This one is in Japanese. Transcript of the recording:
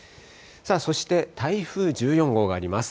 そして台風１４号があります。